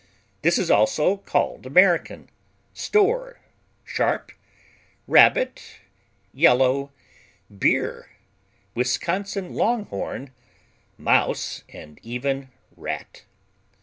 This is also called American, store, sharp, Rabbit, yellow, beer, Wisconsin Longhorn, mouse, and even rat.